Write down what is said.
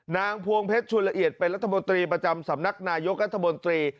พวงเพชรชุนละเอียดเป็นรัฐมนตรีประจำสำนักนายกรัฐมนตรี